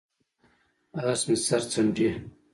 اس مې سر څنډي،